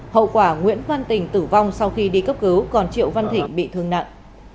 hậu quả nguyễn văn tình tử vong sau khi đi cấp cứu còn triệu văn thỉnh bị thương nặng